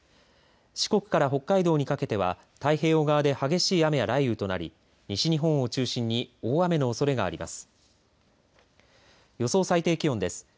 四国から北海道にかけては太平洋側で激しい雨や雷雨となり西日本を中心に大雨のおそれがあります。